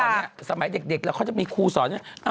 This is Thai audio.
เมื่อก่อนเนี่ยสมัยเด็กแล้วเค้าจะมีครูสอน